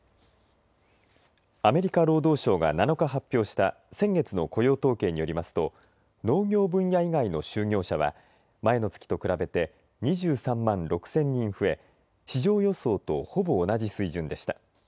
アメリカ労働省が７日発表した先月の雇用統計によりますと農業分野以外の就業者は前の月と比べて２３万６０００人増え市場予想とほぼ同じ水準でした。